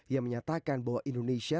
yang menyatakan bahwa indonesia